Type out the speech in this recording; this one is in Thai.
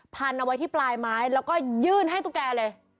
พันเอาไว้ที่ปลายไม้แล้วก็ยื่นให้ตุ๊กแกเลย